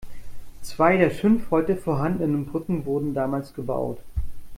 Zwei der fünf heute vorhandenen Brücken wurden damals gebaut.